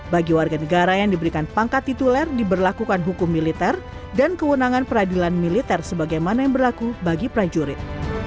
bagi warga negara yang diberikan pangkat tituler diberlakukan hukum militer dan kewenangan peradilan militer sebagaimana yang berlaku bagi prajurit